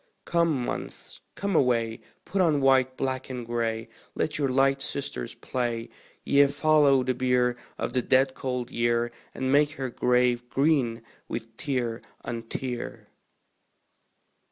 Come, Months, come away; Put on white, black and gray; Let your light sisters play Ye, follow the bier Of the dead cold Year, And make her grave green with tear on tear.